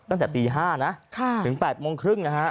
ตั้งแต่ตี๕นะถึง๘โมงครึ่งนะฮะ